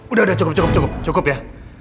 udah udah cukup cukup cukup ya